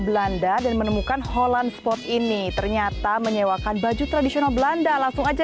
belanda dan menemukan holan sport ini ternyata menyewakan baju tradisional belanda langsung aja